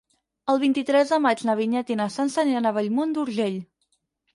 El vint-i-tres de maig na Vinyet i na Sança aniran a Bellmunt d'Urgell.